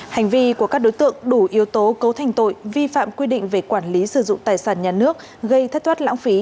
hành vi của các đối tượng đủ yếu tố cấu thành tội vi phạm quy định về quản lý sử dụng tài sản nhà nước gây thất thoát lãng phí